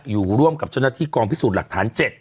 อยู่ร่วมกับเจ้าหน้าที่กองพิสูจน์หลักฐาน๗